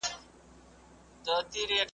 چی کلونه مو کول پکښي قولونه ,